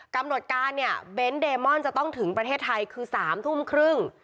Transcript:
กำหนดการเนี่ยเบนท์เดมอนจะต้องถึงประเทศไทยคือ๓ทุ่มครึ่ง